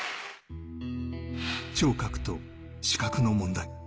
聴覚と視覚の問題。